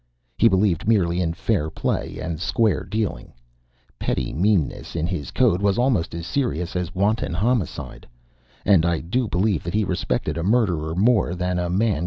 He believed merely in fair play and square dealing. Petty meanness, in his code, was almost as serious as wanton homicide; and I do believe that he respected a murderer more than a man given to small practices.